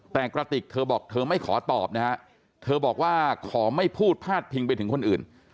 แต่กระติกเธอบอกเธอไม่ขอตอบนะฮะเธอบอกว่าขอไม่พูดพาดพิงไปถึงคนอื่น